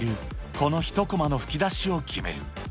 この１コマの吹き出しを決める。